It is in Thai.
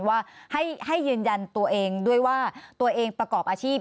ว่าให้ยืนยันตัวเองด้วยว่าตัวเองประกอบอาชีพ